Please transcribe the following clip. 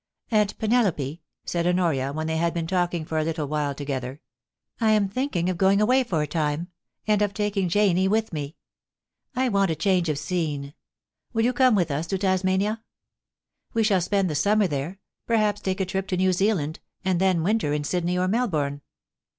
*Aunt Penelope,' said Honoria, when they had been talking for a little while together, * I am thinking of going away for a time, and of taking Janie wdth me. I want a change of scene. Will you come with us to Tasmania? We shall spend the summer there, perhaps take a trip to New Zealand, and then winter in Sydney or Melbourne.'